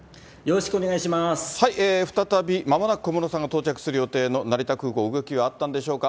再び、まもなく小室さんが到着する予定の成田空港、動きはあったんでしょうか。